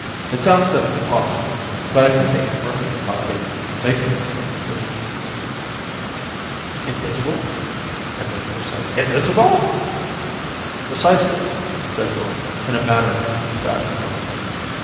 It sounds kind of impossible, but I think I can work it by making myself invisible." "Invisible?" echoed Forsyte. "Invisible!" "Precisely," said Thorn in a matter of fact tone.